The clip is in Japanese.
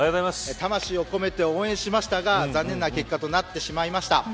魂を込めて応援しましたが残念な結果となってしまいました。